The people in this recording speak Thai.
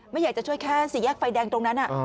ไม่อยากจะช่วยแค่สี่แยกไฟแดงตรงนั้น